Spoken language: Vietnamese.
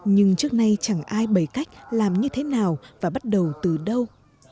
nhưng trước nay chẳng ai bày cách làm như thế nào và bắt đầu từ đâu